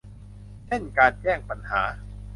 เช่นการแจ้งปัญหา